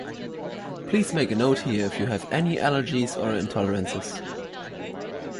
Please make a note here if you have any allergies or intolerances.